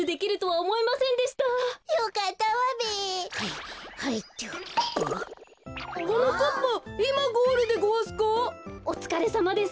おつかれさまです。